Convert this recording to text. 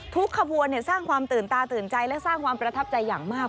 ขบวนสร้างความตื่นตาตื่นใจและสร้างความประทับใจอย่างมาก